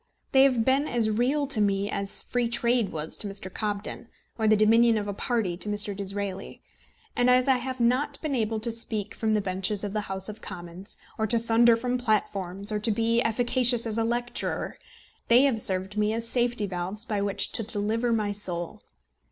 They have been as real to me as free trade was to Mr. Cobden, or the dominion of a party to Mr. Disraeli; and as I have not been able to speak from the benches of the House of Commons, or to thunder from platforms, or to be efficacious as a lecturer, they have served me as safety valves by which to deliver my soul.